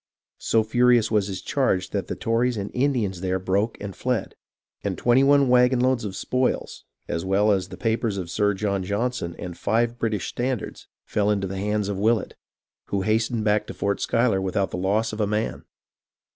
So furious was his charge that the Tories and Indians there broke and fled, and twenty one wagon loads of spoils, as well as the papers of Sir John Johnson and five British standards, fell into the hands of Willett, who hastened back to Fort Schuyler without the loss of a man.